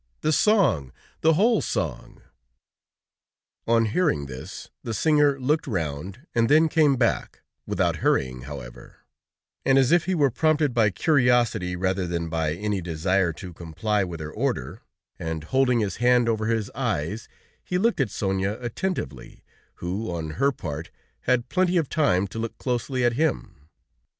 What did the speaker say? The song, the whole song!" On hearing this, the singer looked round and then came back, without hurrying, however, and as if he were prompted by curiosity, rather than by any desire to comply with her order, and holding his hand over his eyes, he looked at Sonia attentively, who, on her part, had plenty of time to look closely at him.